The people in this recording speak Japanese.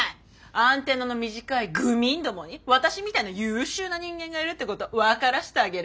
アンテナの短い愚民どもに私みたいな優秀な人間がいるってこと分からせてあげる。